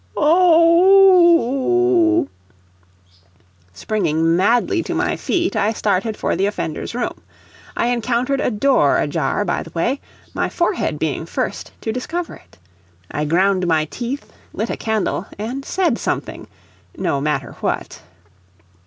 "Oh oo oo oo ee " Springing madly to my feet, I started for the offender's room. I encountered a door ajar by the way, my forehead being first to discover it. I ground my teeth, lit a candle, and said something no matter what.